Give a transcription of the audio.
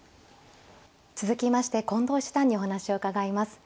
続きまして近藤七段にお話を伺います。